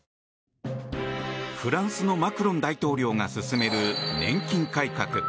フランスのマクロン大統領が進める年金改革。